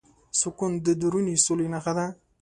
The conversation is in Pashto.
سکون د دروني سولې نښه ده.